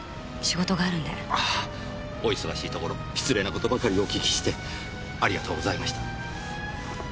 あぁお忙しいところ失礼な事ばかりお聞きして。ありがとうございました。